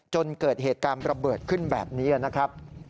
จนเกิดเหตุการณ์ระเบิดขึ้นแบบนี้นะครับ